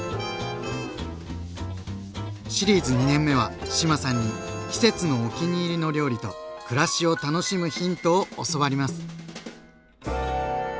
シリーズ２年目は志麻さんに季節のお気に入りの料理と暮らしを楽しむヒントを教わります。